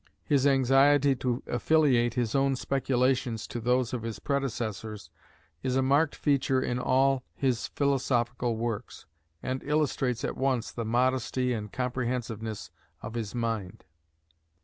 His anxiety to affiliate his own speculations to those of his predecessors is a marked feature in all his philosophical works, and illustrates at once the modesty and comprehensiveness of his mind.